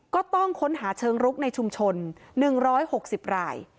ก็ต้องค้นหาเชิงรุกในชุมชน๑๖๐ราย